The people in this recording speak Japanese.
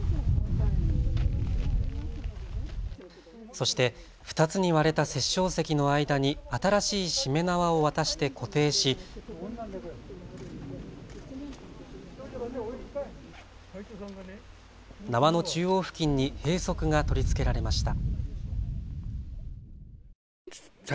そして２つに割れた殺生石の間に新しいしめ縄を渡して固定し、縄の中央付近に幣束が取り付けられました。